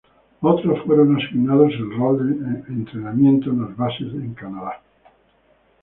Otros fueron asignados al rol de entrenamiento en las bases en Canadá.